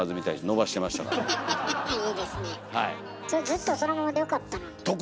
ずっとそのままでよかったのに。